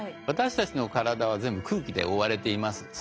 私たちの体は全部空気で覆われています。